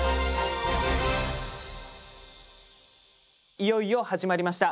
いよいよ始まりました。